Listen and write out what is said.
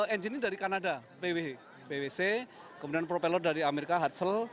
engine ini dari kanada bwc kemudian propeller dari amerika hatsel